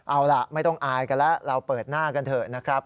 เอาล่ะไม่ต้องอายกันแล้วเราเปิดหน้ากันเถอะนะครับ